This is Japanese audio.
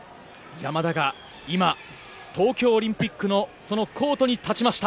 山田が今、東京オリンピックのそのコートに立ちました。